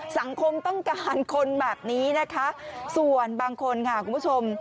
สังคมต้องการคนแบบนี้นะคะส่วนบางคนค่ะคุณผู้ชม